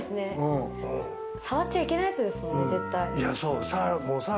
触っちゃいけないやつですもんね。